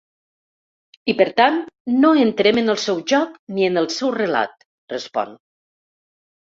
I, per tant, no entrem en el seu joc ni el seu relat, respon.